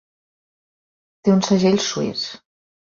Té un segell suís.